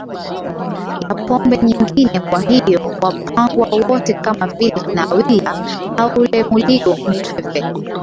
ya pombe nyingineKwa hiyo Wapangwa wote kama vile kina Willah Haule Muligo Mtweve